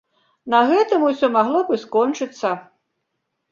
На гэтым усё магло б і скончыцца.